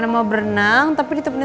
mama mau denger suara kamu nak